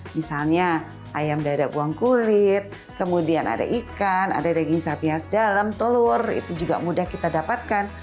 misalnya ayam dada buang kulit kemudian ada ikan ada daging sapi khas dalam telur itu juga mudah kita dapatkan